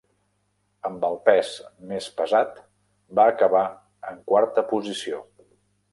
Amb el pes més pesat, va acabar en quarta posició.